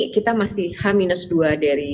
kita masih h dua dari